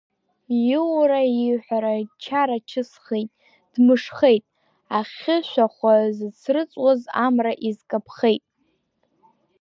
Иура-иҳәара чара чысхеит, дмышхеит, ахьы шәахәа зыцрыҵуаз амра изкаԥхеит.